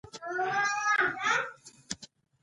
مېښې دې ورشو کښې څرېدې